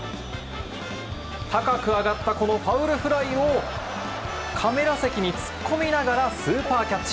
高くあがったファールフライをカメラ席に突っ込みながらスーパーキャッチ。